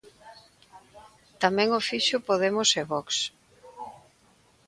Tamén o fixo Podemos e Vox.